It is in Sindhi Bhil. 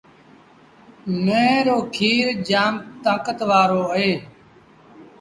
ميݩهن رو کير جآم تآݩڪت وآرو اهي۔